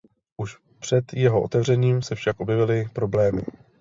Už před jeho otevřením se však objevily problémy.